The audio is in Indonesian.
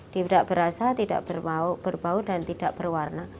tidak berasa tidak berbau dan tidak berwarna